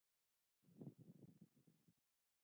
هلته به ناسمه تغذیه او خرابه هوا وه.